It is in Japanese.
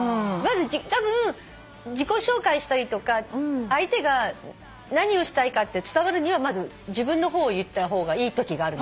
たぶん自己紹介したりとか相手が何をしたいか伝わるにはまず自分の方を言った方がいいときがあるので。